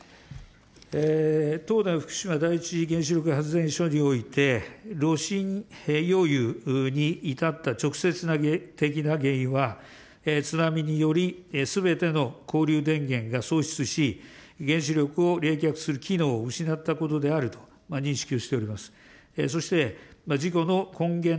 東電福島第一原子力発電所について、炉心溶融に至った直接的な原因は、津波によりすべての交流電源が喪失し、原子力を冷却する機能を失ったことであると認識をしております。